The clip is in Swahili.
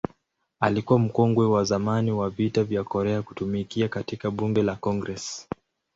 Alikuwa mkongwe wa zamani wa Vita vya Korea kutumikia katika Bunge la Congress.